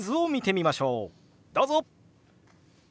どうぞ！